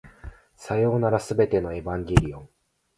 さようなら、全てのエヴァンゲリオン